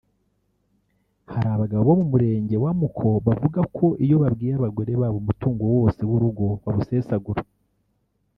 Hari abagabo bo mu Murenge wa Muko bavuga ko iyo babwiye abagore babo umutungo wose w’urugo bawusesagura